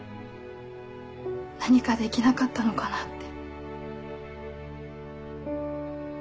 何かできなかったのかなって。